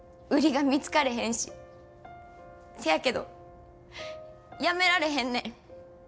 せやけどやめられへんねん。